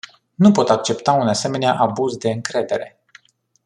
Nu pot accepta un asemenea abuz de încredere.